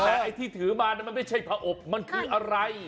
แต่ไอ้ที่ถือมามันไม่ใช่ผอบมันคืออะไร